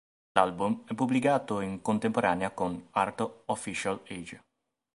L'album è stato pubblicato in contemporanea con "Art Official Age".